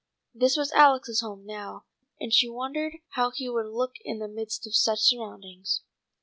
This was Alex's home now, and she wondered how he would look in the midst of such surroundings.